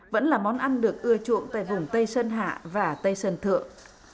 vẫn là món ăn được ưa chuộng tại vùng tây sơn hạ và tây sơn thượng